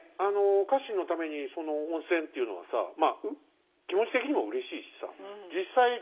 家臣のために温泉っていうのはさまあ気持ち的にもうれしいしさ実際疲れもやっぱ。